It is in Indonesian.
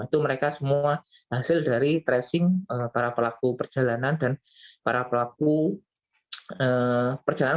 itu mereka semua hasil dari tracing para pelaku perjalanan dan para pelaku perjalanan